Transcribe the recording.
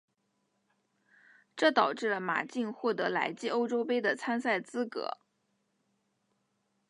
这导致了马竞获得来季欧洲杯的参赛资格。